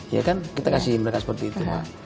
ya kan kita kasih mereka seperti itu